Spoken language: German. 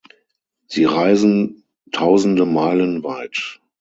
Sie reisen Tausende Meilen weit.